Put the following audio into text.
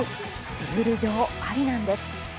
ルール上、ありなんです。